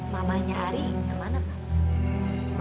mamanya ari kemana pak